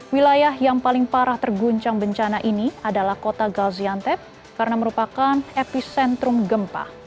wilayah yang paling parah terguncang bencana ini adalah kota gaziantep karena merupakan epicentrum gempa